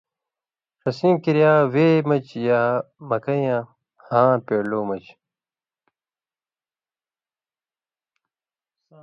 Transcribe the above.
ݜسیں کریا وے مژ یا مکئ یاں ہاں پیڑلو مژ